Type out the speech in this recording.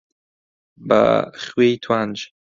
بە خوێی توانج